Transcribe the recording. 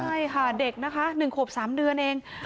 ใช่ค่ะเด็กนะคะ๑ขวบ๓เดือนเอง